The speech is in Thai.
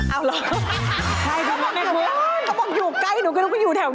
เอาเหรอ